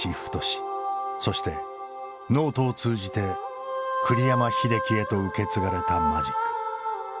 そしてノートを通じて栗山英樹へと受け継がれたマジック。